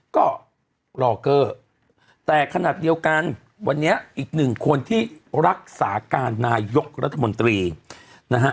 ก็รอเกอร์แต่ขนาดเดียวกันวันนี้อีกหนึ่งคนที่รักษาการนายกรัฐมนตรีนะฮะ